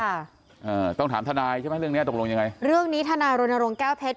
อ่าต้องถามทนายใช่ไหมเรื่องเนี้ยตกลงยังไงเรื่องนี้ทนายรณรงค์แก้วเพชร